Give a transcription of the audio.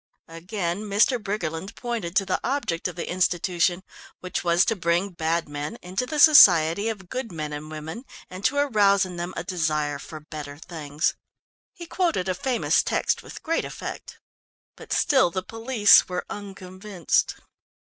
Again Mr. Briggerland pointed to the object of the institution which was to bring bad men into the society of good men and women, and to arouse in them a desire for better things. He quoted a famous text with great effect. But still the police were unconvinced.